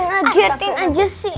nah kamu punya ide